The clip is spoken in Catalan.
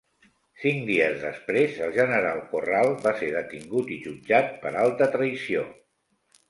Cinc dies després, el general Corral va ser detingut i jutjat per alta traïció.